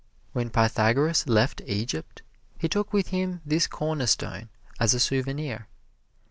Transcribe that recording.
When Pythagoras left Egypt he took with him this cornerstone as a souvenir.